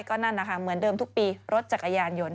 ก็นั่นนะคะเหมือนเดิมทุกปีรถจักรยานยนต์